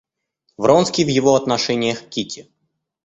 Вронский в его отношениях к Кити.